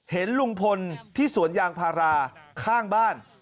เห็นลุงพลที่สวนยางพาราข้างบ้าน